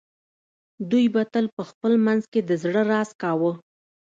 دوی به تل په خپل منځ کې د زړه راز کاوه